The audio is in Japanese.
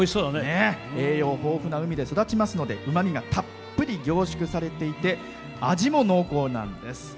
栄養豊富な海で育ちますのでうまみがたっぷり凝縮されていて味も濃厚なんです。